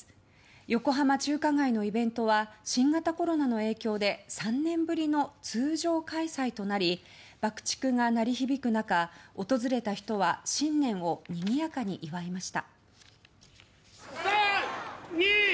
横浜中華街のイベントは新型コロナの影響で３年ぶりの通常開催となり爆竹が鳴り響く中、訪れた人は新年をにぎやかに祝いました。